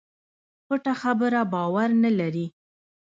پټه خبره باور نه لري.